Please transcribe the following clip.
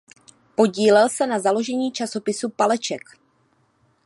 Podílel se na založení časopisu Paleček.